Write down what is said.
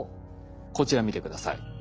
こちら見て下さい。